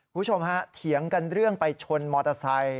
คุณผู้ชมฮะเถียงกันเรื่องไปชนมอเตอร์ไซค์